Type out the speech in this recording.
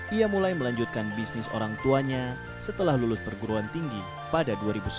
ia mulai melanjutkan bisnis orang tuanya setelah lulus perguruan tinggi pada dua ribu sebelas